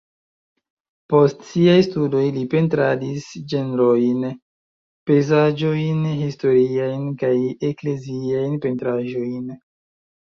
Post siaj studoj li pentradis ĝenrojn, pejzaĝojn, historiajn kaj ekleziajn pentraĵojn.